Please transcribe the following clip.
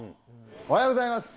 おはようございます。